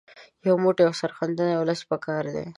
یو موټی او سرښندونکی ولس په کار دی.